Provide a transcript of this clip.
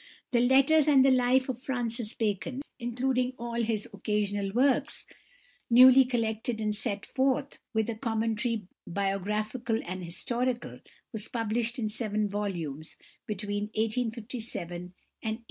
The "Letters and the Life of Francis Bacon, including all his Occasional Works, newly collected and set forth, with a Commentary Biographical and Historical," was published in seven volumes between 1857 and 1874.